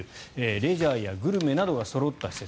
レジャーやグルメなどがそろった施設。